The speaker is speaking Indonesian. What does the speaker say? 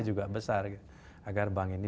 juga besar agar bank ini